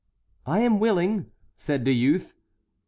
"I am willing," said the youth.